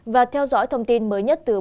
và theo dõi thông tin mới nhất từ bộ y tế